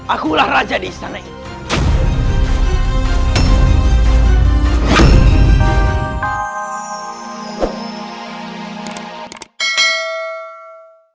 akulah raja di istana ini